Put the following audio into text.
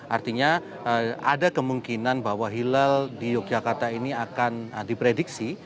artinya ada kemungkinan bahwa hilal di yogyakarta ini akan diprediksi